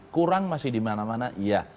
kurang masih di mana mana ya